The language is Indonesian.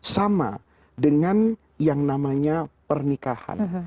sama dengan yang namanya pernikahan